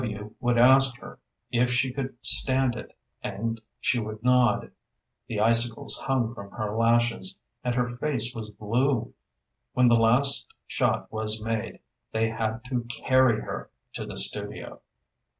D. W. would ask her if she could stand it, and she would nod. The icicles hung from her lashes, and her face was blue. When the last shot was made, they had to carry her to the studio.